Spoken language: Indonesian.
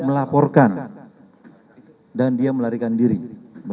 karena hasil pemeriksaan kita terhadap adik korban